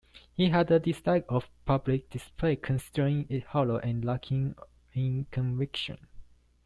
He had a dislike of public display, considering it hollow and lacking in conviction.